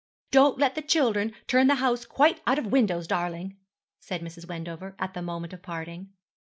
'Don't let the children turn the house quite out of windows, darling,' said Mrs. Wendover, at the moment of parting.